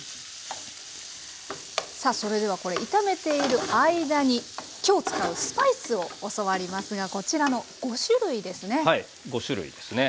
さあそれではこれ炒めている間に今日使うスパイスを教わりますがこちらの５種類ですね。